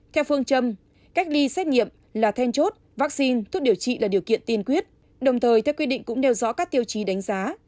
theo phương châm cách ly xét nghiệm là then chốt vaccine thuốc điều trị là điều kiện tiên quyết đồng thời theo quy định cũng đeo rõ các tiêu chí đánh giá